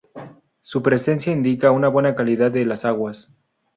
Su presencia indica una buena calidad de las aguas.